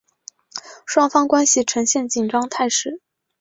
双方关系呈现紧张态势。